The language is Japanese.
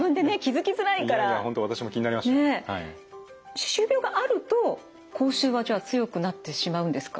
歯周病があると口臭はじゃあ強くなってしまうんですか？